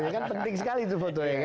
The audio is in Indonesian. ya kan penting sekali itu foto ya kan